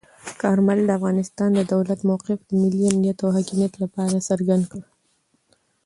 کارمل د افغانستان د دولت موقف د ملي امنیت او حاکمیت لپاره څرګند کړ.